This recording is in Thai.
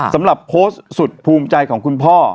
สำหรับโพสต์สุดภูมิใจของคุณพ่อ